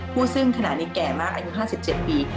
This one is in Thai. พูดซึ่งขณะนี้แก่มากอายุ๕๗ปี